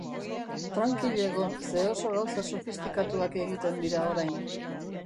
Trankil egon, ze oso gauza sofistikatuak egiten dira orain.